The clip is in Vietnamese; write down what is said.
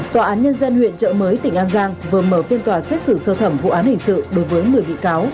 tòa án nhân dân huyện trợ mới tỉnh an giang vừa mở phiên tòa xét xử sơ thẩm vụ án hình sự đối với một mươi bị cáo